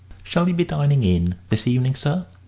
"Shall you be dining in this evening, sir?"